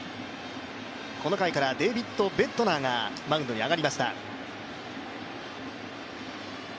この回からデビッド・ベッドナーがマウンドに上がりました。